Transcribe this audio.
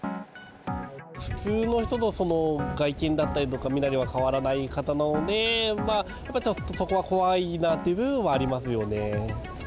普通の人と外見だったりとか身なりは変わらない方なので、やっぱちょっと、そこは怖いなっていう部分はありますよね。